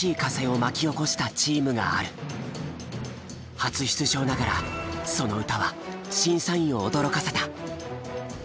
初出場ながらその歌は審査員を驚かせた。